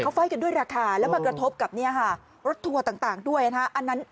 ไฟล์กันด้วยราคาแล้วมากระทบกับรถทัวร์ต่างด้วยนะฮะ